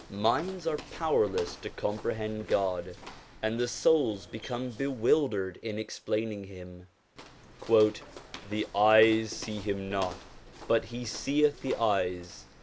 Minds are powerless to comprehend God, and the souls become bewildered in explaining Him. ' The eyes see Him not, but He seeth the eyes.